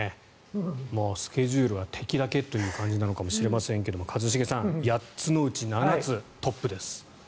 もうスケジュールは敵だけという感じかもしれませんが一茂さん、８つのうち７つトップです。